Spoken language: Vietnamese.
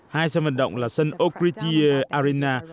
hai sân vận động là sân ogritia arena